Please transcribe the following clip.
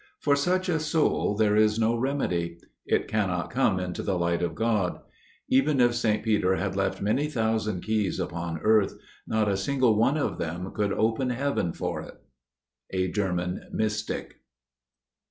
For such a soul there is no remedy. It cannot come into the light of God.... Even if St. Peter had left many thousand keys upon earth, not a single one of them could open Heaven for it." _A German Mystic.